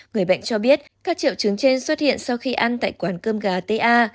người bệnh cho biết các triệu chứng trên xuất hiện sau khi ăn tại quán cơm gà tây a